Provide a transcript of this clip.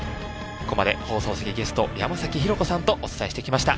ここまで放送席ゲスト山浩子さんとお伝えしてきました。